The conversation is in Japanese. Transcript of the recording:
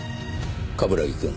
冠城くん